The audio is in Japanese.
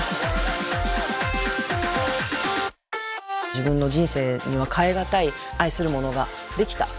自分の人生には代え難い愛するものができた。